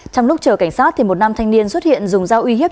trong lúc chờ cảnh sát một nam thanh niên xuất hiện dùng dao uy hiếp